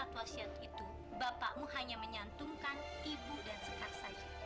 tentu bu semuanya saya akan padaskan